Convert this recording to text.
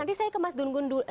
nanti saya ke mas dungun dulu